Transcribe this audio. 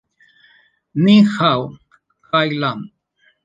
Ni Hao, Kai-Lan.